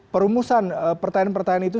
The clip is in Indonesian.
perumusan pertanyaan pertanyaan itu